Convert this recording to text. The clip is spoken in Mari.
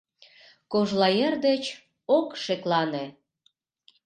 Кожлаер деч ок шеклане